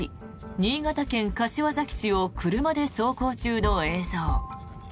新潟県柏崎市を車で走行中の映像。